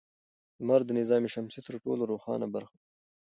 لمر د نظام شمسي تر ټولو روښانه برخه ده.